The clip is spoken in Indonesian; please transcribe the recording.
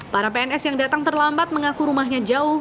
para pns yang datang terlambat mengaku rumahnya jauh